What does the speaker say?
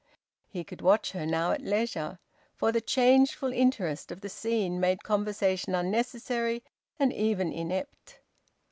He could watch her now at leisure, for the changeful interest of the scene made conversation unnecessary and even inept.